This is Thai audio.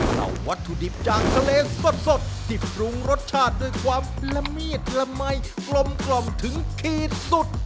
เล่าวัตถุดิบจากกะเลสดจิบทรุงรสชาติด้วยความละเมียดละมัยกลมถึงขีดสุด